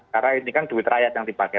karena ini kan duit rakyat yang dipakai